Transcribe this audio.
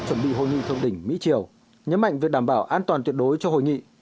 chuẩn bị hội nghị thượng đỉnh mỹ triều nhấn mạnh việc đảm bảo an toàn tuyệt đối cho hội nghị